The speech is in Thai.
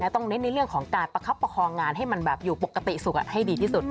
เน้นในเรื่องของการประคับประคองงานให้มันแบบอยู่ปกติสุขให้ดีที่สุด